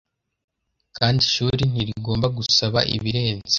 kandi ishuri ntirigomba gusaba ibirenze